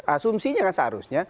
asumsinya kan seharusnya